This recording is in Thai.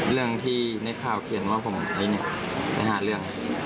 เรื่องที่ในข่าวเขียนว่าผมไอ้เนี่ยไปหาเรื่อง